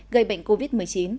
gây bệnh covid một mươi chín